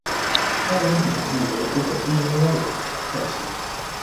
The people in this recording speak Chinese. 班轮笔记由鼓手 Ian Wallace 撰写。